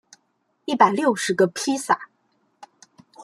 一百六十个披萨